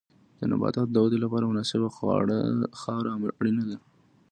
د نباتاتو د ودې لپاره مناسبه خاوره اړینه ده.